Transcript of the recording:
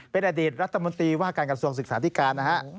เป็นอดีตรัฐมตรีหว่าการกัดทรวงศึกษาติการ